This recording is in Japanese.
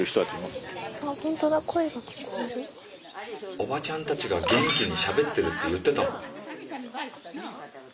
「おばちゃんたちが元気にしゃべってる」って言ってたもん。